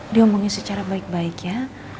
dia omongin secara baik baik ya